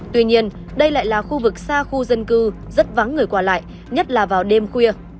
tuy nhiên đây lại là khu vực xa khu dân cư rất vắng người qua lại nhất là vào đêm khuya